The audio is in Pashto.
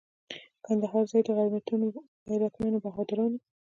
کندهار ځای د غیرتمنو بهادرانو.